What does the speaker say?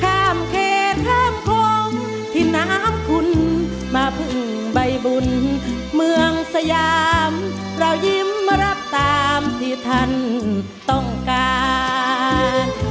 ข้ามเขตข้ามคลองที่น้ำคุณมาพึ่งใบบุญเมืองสยามเรายิ้มมารับตามที่ท่านต้องการ